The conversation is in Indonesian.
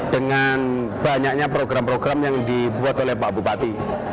dengan banyaknya program program yang dibuat oleh pak bupati